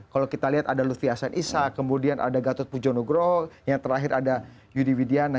kalau kita lihat ada lutfi hasan isha kemudian ada gatot pujo nugro yang terakhir ada yudi widiana